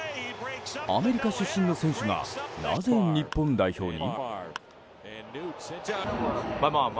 アメリカ出身の選手がなぜ日本代表に？